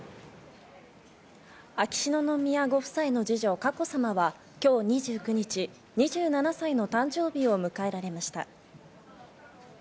秋篠宮ご夫妻の二女・佳子さまは今日２９日、２７歳の誕生日を迎えられました。